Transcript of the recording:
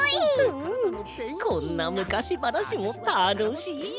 うんこんなむかしばなしもたのしい。